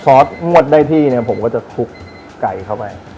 พอวดได้ที่เนี่ยผมก็จะคลุกไก่เข้าไป